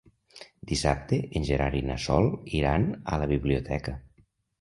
Dissabte en Gerard i na Sol iran a la biblioteca.